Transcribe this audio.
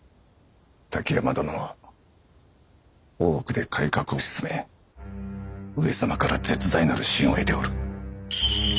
滝山殿は大奥で改革を進め上様から絶大なる信を得ておる。